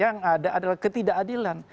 yang ada adalah ketidakadilan